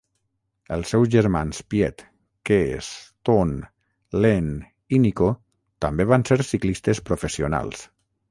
Els seus germans Piet, Kees, Toon, Leen i Nico també van ser ciclistes professionals.